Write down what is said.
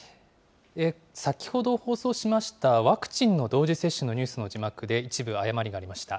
先ほど放送しましたワクチンの同時接種の字幕で一部誤りがありました。